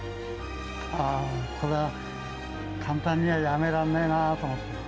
あー、これは簡単にはやめらんねえなと思って。